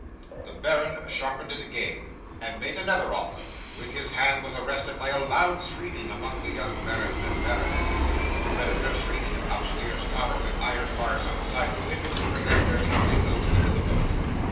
'The baron sharpened it again, and made another offer, when his hand was arrested by a loud screaming among the young barons and baronesses, who had a nursery in an upstairs tower with iron bars outside the window, to prevent their tumbling out into the moat.